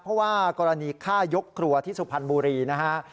เพราะว่ากรณีฆ่ายกครัวที่สุพรรณบุรีนะฮะ